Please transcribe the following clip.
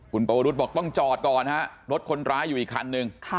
คุณปวรุษบอกต้องจอดก่อนฮะรถคนร้ายอยู่อีกคันนึง